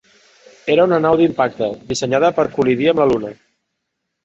Era una nau d'impacte, dissenyada per col·lidir amb la Lluna.